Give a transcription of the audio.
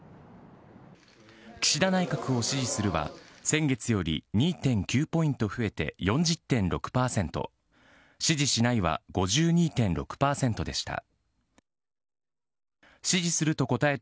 岸田内閣を支持するは先月より２．９ポイント増えて４０．６％、支持しないは５２．６％でした。